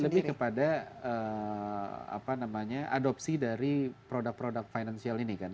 lebih kepada apa namanya adopsi dari produk produk financial ini kan